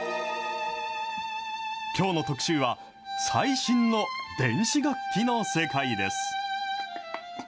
きょうの特集は、最新の電子楽器の世界です。